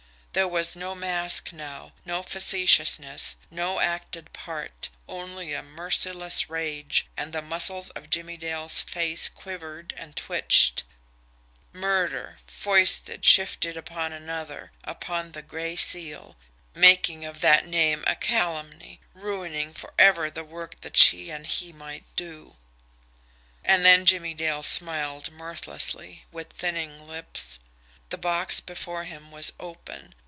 There was no mask now, no facetiousness, no acted part only a merciless rage, and the muscles of Jimmie Dale's face quivered and twitched. MURDER, foisted, shifted upon another, upon the Gray Seal making of that name a calumny ruining forever the work that she and he might do! And then Jimmie Dale smiled mirthlessly, with thinning lips. The box before him was open.